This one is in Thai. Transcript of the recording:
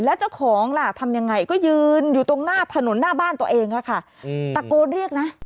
แล้วเจ้าของล่ะทำยังไงก็ยืนอยู่ตรงหน้าถนนหน้าบ้านตัวเองค่ะตะโกนเรียกนะ